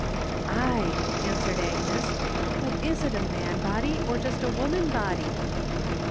"Ay," answered Agnes, "but is't a man body, or just a woman body?"